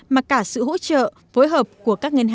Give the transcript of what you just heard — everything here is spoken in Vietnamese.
mà cả sự hỗ trợ phối hợp của các ngân hàng